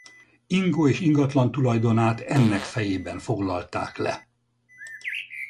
Ingó és ingatlan tulajdonát ennek fejében foglalták le.